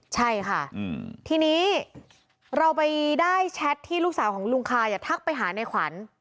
ใช่ค่ะทีนี้เราไปได้แชทที่ลูกสาวของลุงคายทักไปหาในขวัญ